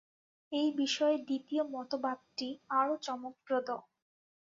এই বিষয়ে দ্বিতীয় মতবাদটি আরও চমকপ্রদ।